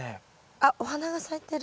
あっお花が咲いてる。